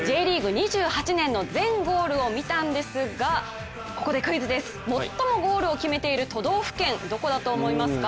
２８年の全ゴールを見たんですがここでクイズです、最もゴールを決めている都道府県、どこだと思いますか？